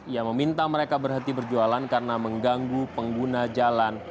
ia meminta mereka berhenti berjualan karena mengganggu pengguna jalan